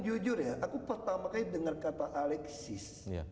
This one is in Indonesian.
jujur ya aku pertama kali dengar kata alexis